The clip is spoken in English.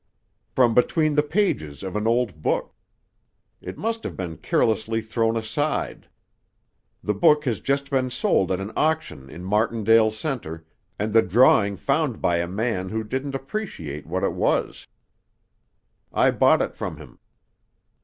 "From between the pages of an old book. It must have been carelessly thrown aside. The book has just been sold at an auction in Martindale Center, and the drawing found by a man who didn't appreciate what it was. I bought it from him."